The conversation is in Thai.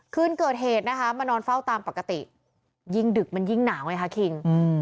คืนเกิดเหตุนะคะมานอนเฝ้าตามปกติยิ่งดึกมันยิ่งหนาวไงคะคิง